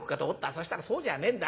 そしたらそうじゃねえんだ。